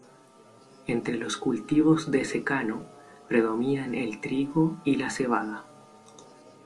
Entre los cultivos de secano predominan el trigo y la cebada.